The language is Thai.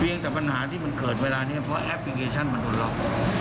ยังแต่ปัญหาที่มันเกิดเวลานี้เพราะแอปพลิเคชันมันโดนล็อก